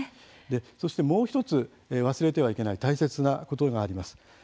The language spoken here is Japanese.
そしてもう１つ忘れてはいけない大切なことがあります。